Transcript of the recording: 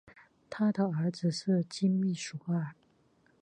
他的儿子是金密索尔。